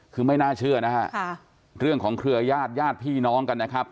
คือไม่น่าเชื่อนะฮะเรื่องของเครือญาติญาติพี่น้องกันนะครับ